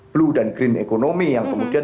blue dan green economy yang kemudian